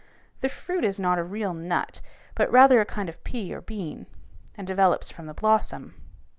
The fruit is not a real nut but rather a kind of pea or bean, and develops from the blossom.